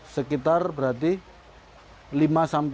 sekitar berarti lima delapan jam